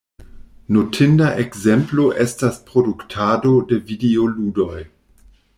Notinda ekzemplo estas produktado de videoludoj.